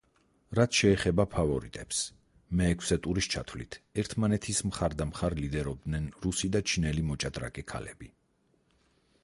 რაც შეეხება ფავორიტებს, მეექვსე ტურის ჩათვლით ერთმანეთის მხარდამხარ ლიდერობდნენ რუსი და ჩინელი მოჭადრაკე ქალები.